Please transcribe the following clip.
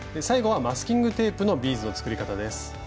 最後は「マスキングテープのビーズ」の作り方です。